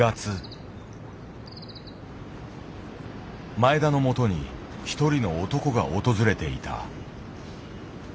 前田のもとに一人の男が訪れていた。